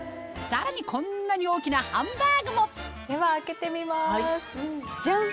さらにこんなに大きなハンバーグもでは開けてみますジャン！